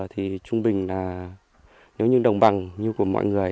thì trung bình là nếu như đồng bằng như của mọi người